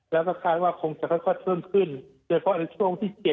แล้วคาดว่าคงจะพ้นชังเกินขึ้นโดยภาคช่วง๗๘๙๐สตรีวันเนี่ย